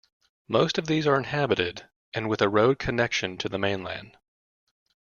Most of these are inhabited, and with a road connection to the mainland.